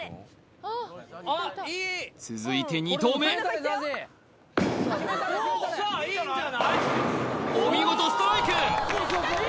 続いて２投目お見事ストライク